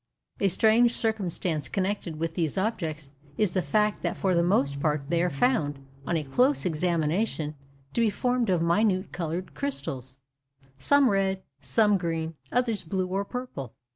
A strange circumstance connected with these objects is the fact that for the most part they are found, on a close examination, to be formed of minute coloured crystals—some red, some green, others blue or purple.